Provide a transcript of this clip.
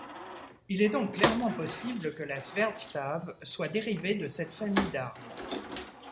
Il est donc clairement possible que la svärdstav soit dérivée de cette famille d'armes.